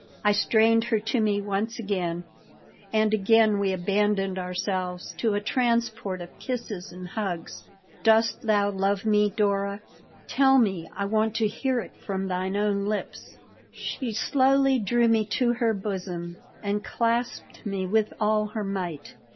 I strained her to me once again, and again we abandoned ourselves to a transport of kisses and hugs "Dost thou love me, Dora? Tell me. I want to hear it from thine own lips." She slowly drew me to her bosom and clasped me with all her might.